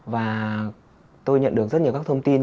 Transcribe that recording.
và tôi nhận được rất nhiều các thông tin